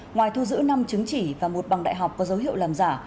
ngoài thu giữ năm chứng chỉ và một bằng đại học có dấu hiệu làm giả